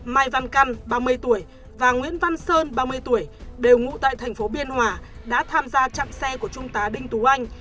mai văn căn ba mươi tuổi và nguyễn văn sơn ba mươi tuổi đều ngụ tại thành phố biên hòa đã tham gia chặn xe của trung tá đinh tú anh